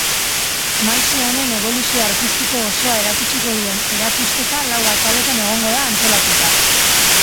Maisu honen eboluzio artistiko osoa erakutsiko duen erakusketa lau ataletan egongo da antolatuta.